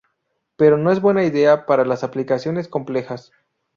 Pero no es buena idea para las aplicaciones complejas.